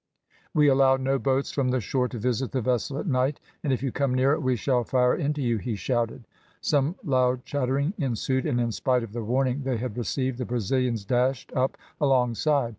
"We allow no boats from the shore to visit the vessel at night, and if you come nearer we shall fire into you," he shouted. Some loud chattering ensued, and in spite of the warning they had received, the Brazilians dashed up alongside.